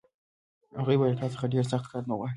هغوی به له تا څخه ډېر سخت کار نه غواړي